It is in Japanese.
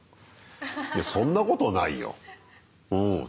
いやそんなことないようん。